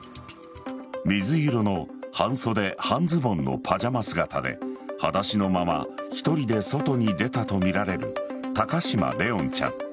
水色の半袖・半ズボンのパジャマ姿ではだしのまま１人で外に出たとみられる高嶋怜音ちゃん。